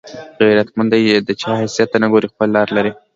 غیرتمند د چا حیثیت ته نه ګوري، خپله لار لري